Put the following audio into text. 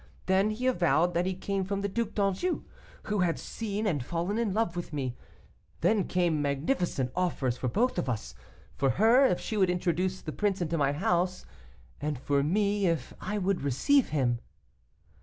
Then he avowed that he came from the Duc d'Anjou, who had seen and fallen in love with me; then came magnificent offers for both of us, for her, if she would introduce the prince into my house, and for me, if I would receive him.